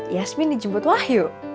yasmin dijemput wahyu